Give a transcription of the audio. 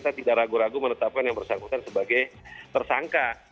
jadi kita ragu ragu menetapkan yang bersangkutan sebagai tersangka